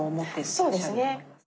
そうですね。